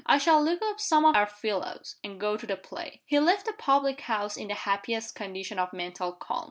I shall look up some of our fellows, and go to the play." He left the public house in the happiest condition of mental calm.